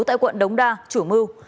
tại quận đống đa chủ mưu